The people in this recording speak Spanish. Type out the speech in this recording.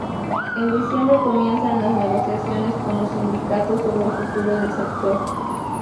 En diciembre comienzan las negociaciones con los sindicatos sobre el futuro del sector.